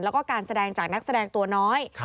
แล้วก็การแสดงจากนักแสดงตัวน้อย